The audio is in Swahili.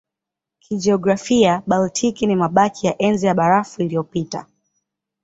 Kijiografia Baltiki ni mabaki ya Enzi ya Barafu iliyopita.